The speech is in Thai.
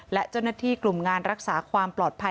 และเจ้าหน้าที่กลุ่มงานรักษาความปลอดภัย